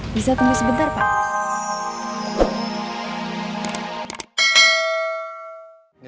bisa tunggu sebentar pak